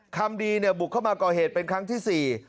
คำดีเนี่ยบุกเข้ามาก่อเหตุเป็นครั้งที่๔